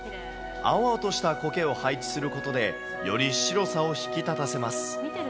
青々としたコケを配置することで、より白さを引き立たせます。